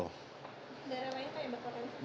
daerah lain yang berpotensi